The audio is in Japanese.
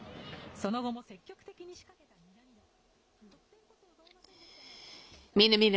その後も積極的に仕掛けた南野。